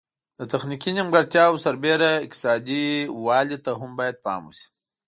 د تخنیکي ځانګړتیاوو سربیره اقتصادي والی ته هم باید پام وشي.